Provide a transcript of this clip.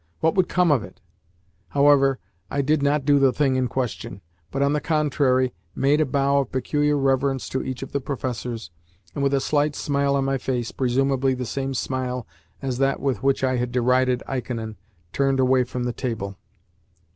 "What would come of it?" However, I did not do the thing in question, but, on the contrary, made a bow of peculiar reverence to each of the professors, and with a slight smile on my face presumably the same smile as that with which I had derided Ikonin turned away from the table.